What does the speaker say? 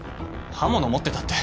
刃物持ってたって。